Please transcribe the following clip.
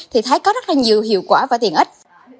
thì thấy có rất là nhiều hiệu quả và tiện ích